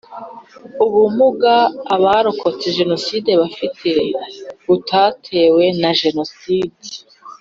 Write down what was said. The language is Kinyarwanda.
Ubumuga Abarokotse jenoside bafite butatewe na Jenoside